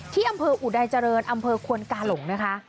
ที่อำเภออุดัยเจริญอำเภอควนกาหลงนะคะ